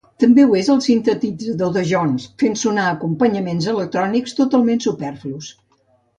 També ho és el sintetitzador de Jones, fent sonar acompanyaments electrònics totalment superflus.